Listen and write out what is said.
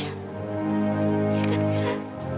ya kan mira